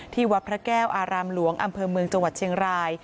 วัดพระแก้วอารามหลวงอำเภอเมืองจังหวัดเชียงราย